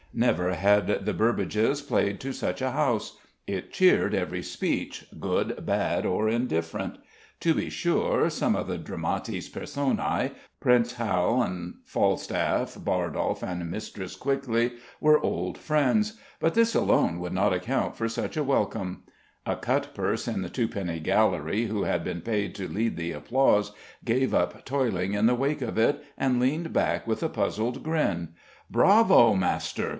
Never had the Burbages played to such a house. It cheered every speech good, bad, or indifferent. To be sure, some of the dramatis personæ Prince Hal and Falstaff, Bardolph and Mistress Quickly were old friends; but this alone would not account for such a welcome. A cutpurse in the twopenny gallery who had been paid to lead the applause gave up toiling in the wake of it, and leaned back with a puzzled grin. "Bravo, master!"